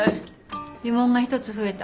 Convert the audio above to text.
疑問が１つ増えた。